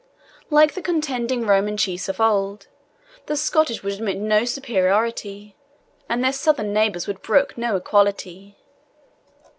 Like the contending Roman chiefs of old, the Scottish would admit no superiority, and their southern neighbours would brook no equality.